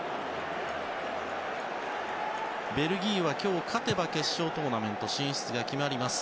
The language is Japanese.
ベルギーは今日、勝てば決勝トーナメント進出が決まります。